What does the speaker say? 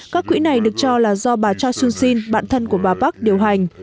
các quỹ này được cho là do bà cha sungun sin bạn thân của bà park điều hành